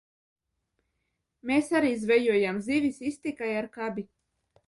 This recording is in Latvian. Mēs arī zvejojām zivis iztikai ar kabi.